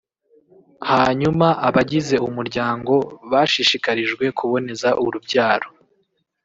hanyuma abagize umuryango bashishikarizwe kuboneza urubyaro